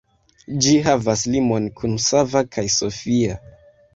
Ĝi havas limon kun Sava kaj Sofia.